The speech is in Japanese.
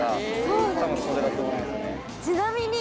ちなみに。